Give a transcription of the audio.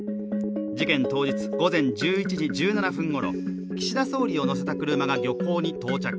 事件当日、午前１１時１７分ごろ岸田総理を乗せた車が漁港に到着。